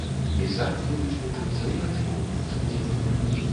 І самі будуць мучыцца і бацькоў мучыць.